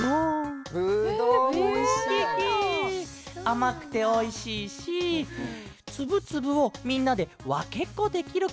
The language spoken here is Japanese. あまくておいしいしつぶつぶをみんなでわけっこできるからケロ！